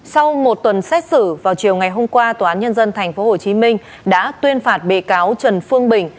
sau một tuần xét xử vào chiều ngày hôm qua tnthh đã tuyên phạt bệ cáo trần phương bình